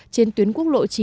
trên tuyến quốc lộ chín